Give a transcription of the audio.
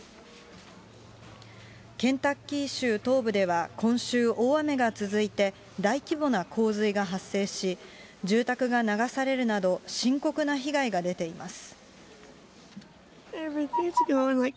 ケンタッキー州東部では、今週、大雨が続いて、大規模な洪水が発生し、住宅が流されるなど深刻な被害が出ています。